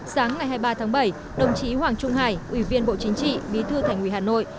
sáng ngày hai mươi ba tháng bảy đồng chí hoàng trung hải ủy viên bộ chính trị bí thư thành ủy hà nội